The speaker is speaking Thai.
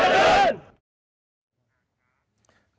สวัสดีทุกคน